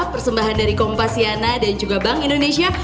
persembahan dari kompasyana dan juga bank indonesia